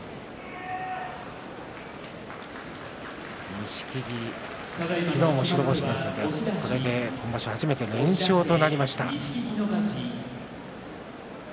錦木は昨日も白星を積んで今場所初めて連勝となりました。